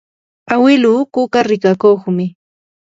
awiluu kuka rikakuqmi.